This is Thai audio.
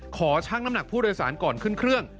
ชั่งน้ำหนักผู้โดยสารก่อนขึ้นเครื่อง